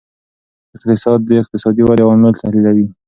اقتصاد د اقتصادي ودې عوامل تحلیلوي.